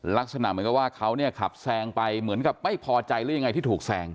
ลักษณะเหมือนกับว่าเขาเนี่ยขับแซงไปเหมือนกับไม่พอใจหรือยังไงที่ถูกแซง